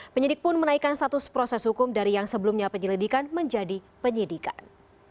penyidik pun menaikkan status proses hukum dari yang sebelumnya penyelidikan menjadi penyidikan